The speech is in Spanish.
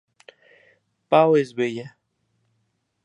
Pao es bella